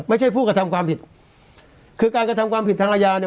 ผู้กระทำความผิดคือการกระทำความผิดทางอาญาเนี่ย